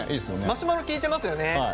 マシュマロ効いてますよね。